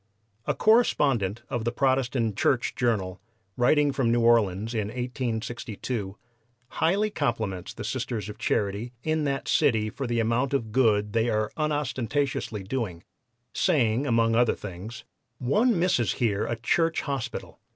A correspondent of the (Protestant) Church Journal, writing from New Orleans in 1862, highly compliments the Sisters of Charity in that city for the amount of good they are unostentatiously doing, saying among other things: "One misses here a church hospital.